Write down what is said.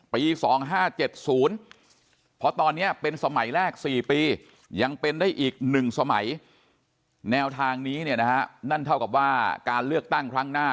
ปี๒๕๗๐เพราะตอนนี้เป็นสมัยแรก๔ปียังเป็นได้อีก๑สมัยแนวทางนี้เนี่ยนะฮะนั่นเท่ากับว่าการเลือกตั้งครั้งหน้า